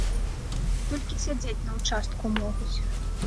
Толькі сядзець на ўчастку могуць.